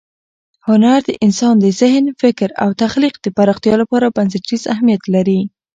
هنر د انسان د ذهن، فکر او تخلیق د پراختیا لپاره بنسټیز اهمیت لري.